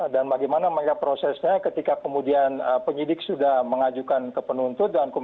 bagaimana prosesnya ketika kemudian penyidik sudah mengajukan ke penuntut